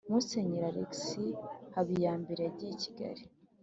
musenyeri alexis habiyambere, yagiye i kigali